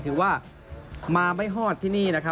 ถือว่ามาไม่ฮอดที่นี่นะครับ